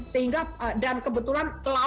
sehingga dan kebetulan lautnya itu lumayan